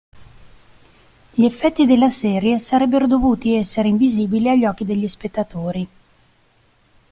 Gli effetti della serie sarebbero dovuti essere invisibili agli occhi degli spettatori.